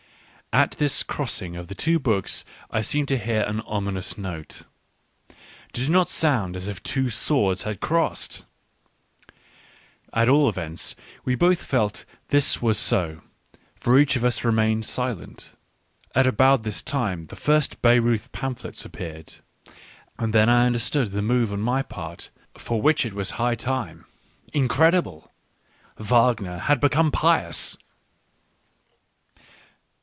At this crossing of the two books I seemed to hear an ominous note. Did it not sound as if two swords had crossed ? At all events we both felt this was so, for each of us remained silent. At about this time the first Bayreuth Pamphlets appeared : and I then understood the move on my part for which Digitized by Google \ 90 ECCE HOMO it was high time. Incredible ! Wagner had be come pious.